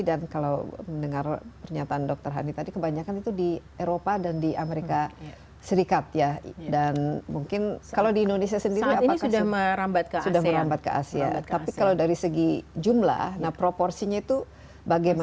dan kalau mendengar pernyataannya saya berpikir ini adalah kisah yang sangat penting